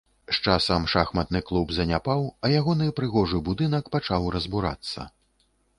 З часам шахматны клуб заняпаў, а ягоны прыгожы будынак пачаў разбурацца.